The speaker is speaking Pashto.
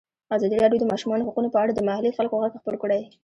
ازادي راډیو د د ماشومانو حقونه په اړه د محلي خلکو غږ خپور کړی.